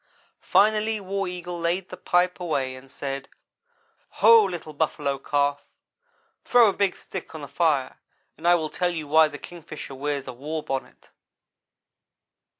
Finally War Eagle laid the pipe away and said: "Ho! Little Buffalo Calf, throw a big stick on the fire and I will tell you why the Kingfisher wears a war bonnet."